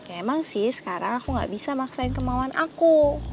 emang sih sekarang aku gak bisa maksain kemauan aku